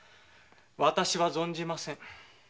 私は存じません。